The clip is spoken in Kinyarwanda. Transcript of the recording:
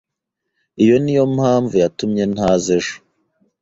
Iyi niyo mpamvu yatumye ntaza ejo.